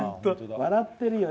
笑ってるよ。